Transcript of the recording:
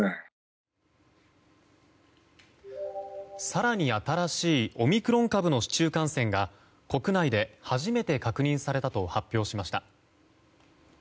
更に新しいオミクロン株の市中感染が国内で初めて確認されたと発表しました。